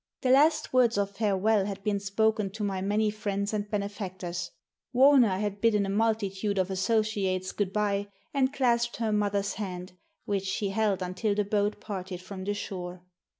The last words of farewell had been spoken to my many friends and benefactors. Wauna had bidden a multitude of associates good bye, and clasped her mother's hand, which she held until the boat parted from the shore.